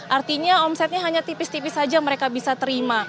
artinya omsetnya hanya tipis tipis saja mereka bisa terima